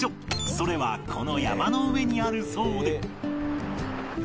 それはこの山の上にあるそうで